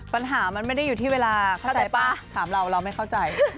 ปัญหามันไม่ได้อยู่ที่เวลาเข้าใจป่ะถามเราเราไม่เข้าใจ